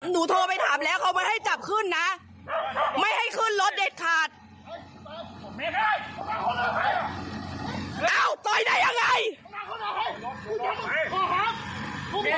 คุณเรียนพ่อบอกว่าให้ใหม่เรื่องไปไปขัดขึ้นจับผมขอหาด้วยไป